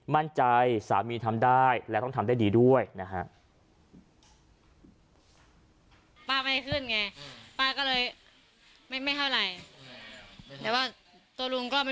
มั่นใจสามีทำได้และต้องทำได้ดีด้วยนะฮะ